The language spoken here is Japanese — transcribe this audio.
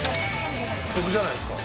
得じゃないっすか。